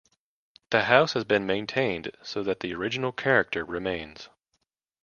The house has been maintained so that the original character remains.